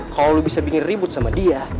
kalau lo bisa bikin ribut sama dia